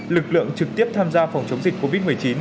lực lượng trực tiếp tham gia phòng chống dịch covid một mươi chín